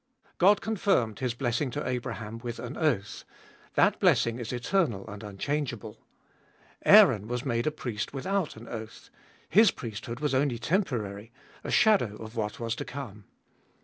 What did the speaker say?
God confirmed His blessing to Abraham with an oath ; that blessing is eternal and unchangeable. Aaron was made a priest without an oath : his priesthood was only temporary, a shadow of what was to come.